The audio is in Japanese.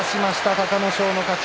隆の勝の勝ち。